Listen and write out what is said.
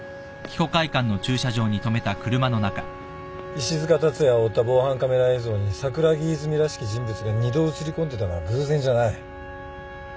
石塚辰也を追った防犯カメラ映像に桜木泉らしき人物が二度映りこんでたのは偶然じゃない。